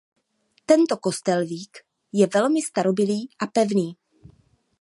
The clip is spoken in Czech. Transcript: Tento kostelík je velmi starobylý a pevný.